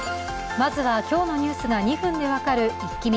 まずは、今日のニュースが２分で分かるイッキ見。